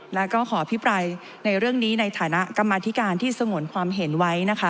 แล้วก็ขออภิปรายในเรื่องนี้ในฐานะกรรมธิการที่สงวนความเห็นไว้นะคะ